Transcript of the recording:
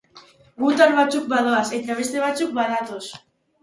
Gutar batzuk badoaz, eta beste batzuk badatoz.